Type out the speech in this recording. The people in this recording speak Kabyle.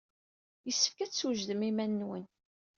Yessefk ad teswejdem iman-nwen.